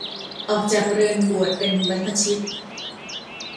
ออกจากเรือนบวชเป็นบรรพชิต